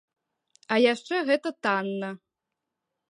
А яшчэ гэта танна.